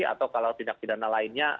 atau kalau tindak pidana lainnya